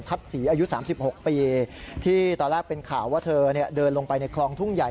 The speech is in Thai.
ศรีอายุ๓๖ปีที่ตอนแรกเป็นข่าวว่าเธอเดินลงไปในคลองทุ่งใหญ่